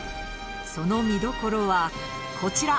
その見どころはこちら！